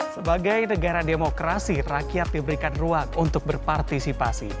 sebagai negara demokrasi rakyat diberikan ruang untuk berpartisipasi